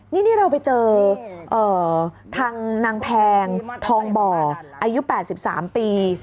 นี่เราไปเจอทางนางแพงทองบ่ออายุ๘๓ปี